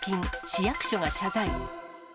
市役所が謝罪。